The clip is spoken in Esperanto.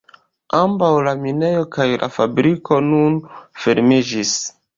Ambaŭ la minejo kaj la fabriko nun fermiĝis.